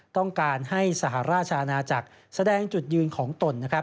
ต้องการให้สหราชนาจักรแสดงจุดยืนของตน